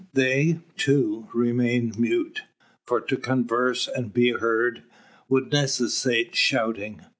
They, too, remain mute, for to converse, and be heard, would necessitate shouting.